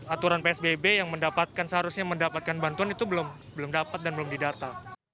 aturan psbb yang mendapatkan seharusnya mendapatkan bantuan itu belum dapat dan belum didata